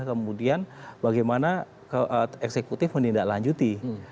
kemudian bagaimana eksekutif menindaklanjuti